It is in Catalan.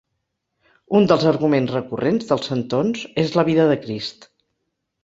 Un dels arguments recurrents dels centons és la vida de Crist.